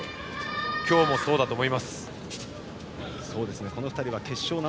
今日もそうだと思います。